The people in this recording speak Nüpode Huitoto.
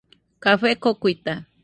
Café kokuita.